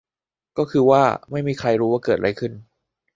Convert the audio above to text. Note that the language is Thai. ก็คือว่า ไม่มีใครรู้ว่าเกิดอะไรขึ้น